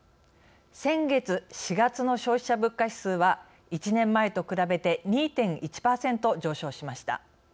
先月４月の消費者物価指数は１年前と比べて２．１％上昇しました。